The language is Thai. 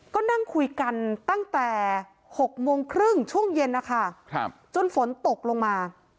ก็นั่งคุยกันตั้งแต่๖โมงครึ่งช่วงเย็นนะคะจนฝนตกลงมา